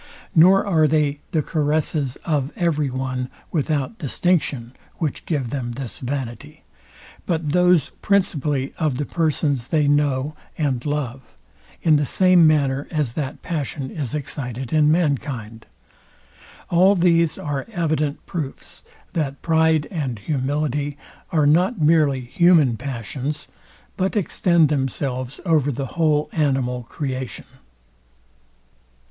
Nor are they the caresses of every one without distinction, which give them this vanity, but those principally of the persons they know and love; in the same manner as that passion is excited in mankind. All these are evident proofs, that pride and humility are not merely human passions, but extend themselves over the whole animal creation.